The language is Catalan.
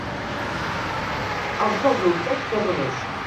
Els dels Hortets, garroners.